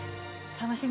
楽しみ。